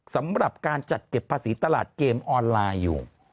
สำหรับการจัดเก็บภาษีตลาดเกมออนไลน์อยู่